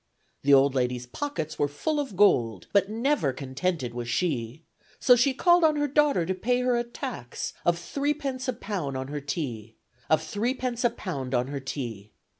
The old lady's pockets were full of gold, But never contented was she, So she called on her daughter to pay her a tax Of three pence a pound on her tea, Of three pence a pound on her tea.